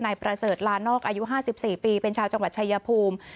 ประเสริฐลานอกอายุ๕๔ปีเป็นชาวจังหวัดชายภูมิ